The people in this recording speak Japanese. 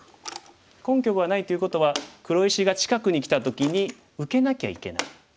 根拠はないということは黒石が近くにきた時に受けなきゃいけない。